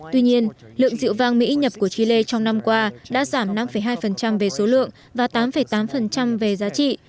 tuy nhiên lượng rượu vang mỹ nhập của chile trong năm qua đã giảm năm hai về số lượng và tám tám về giá trị